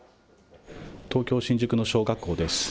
東京・新宿の小学校です。